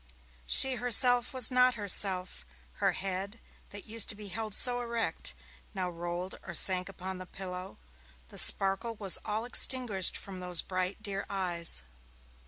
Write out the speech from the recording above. She herself was not herself; her head, that used to be held so erect, now rolled or sank upon the pillow; the sparkle was all extinguished from those bright, dear eyes.